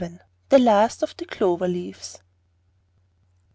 THE LAST OF THE CLOVER LEAVES.